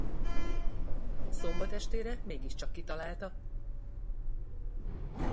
Szombat estére mégiscsak kitalálta.